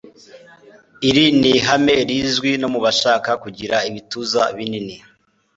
Iri ni ihame rizwi no mu bashaka kugira ibituza binini,